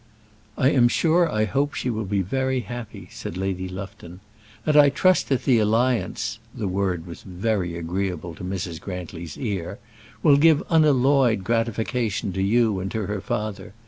"I am sure I hope she will be very happy," said Lady Lufton, "and I trust that the alliance" the word was very agreeable to Mrs. Grantly's ear "will give unalloyed gratification to you and to her father.